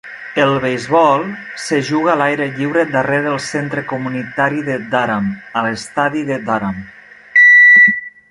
El beisbol se juga a l'aire lliure darrere el centre comunitari de Durham, a l'estadi de Durham.